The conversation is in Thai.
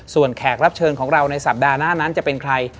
ส่วนแขกรับเชิญของเราในสัปดาห์หน้านั้นจะเป็นใคร